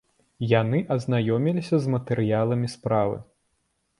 Яны азнаёміліся з матэрыяламі справы.